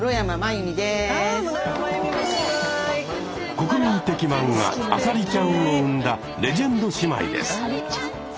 国民的漫画「あさりちゃん」を生んだレジェンド姉妹です。